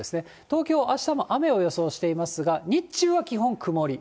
東京、あしたも雨を予想していますが、日中は基本曇り。